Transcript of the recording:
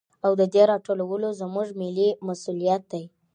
او د دې راټولو زموږ ملي مسوليت دى.